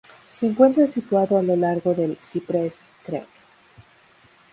Se encuentra situado a lo largo del "Cypress Creek".